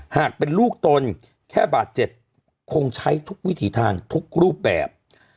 หากเป็นลูกตนแค่บาดเจ็บคงใช้ทุกวิถีทางทุกรูปแบบ